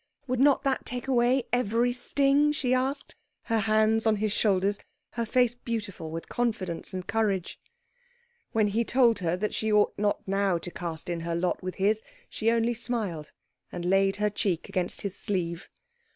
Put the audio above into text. Would not that take away every sting? she asked, her hands on his shoulders, her face beautiful with confidence and courage. When he told her that she ought not now to cast in her lot with his, she only smiled, and laid her cheek against his sleeve.